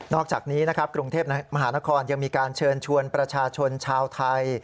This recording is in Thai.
อกจากนี้นะครับกรุงเทพมหานครยังมีการเชิญชวนประชาชนชาวไทย